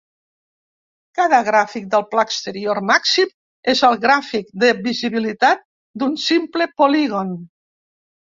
Cada gràfic del pla exterior màxim és el gràfic de visibilitat d'un simple polígon.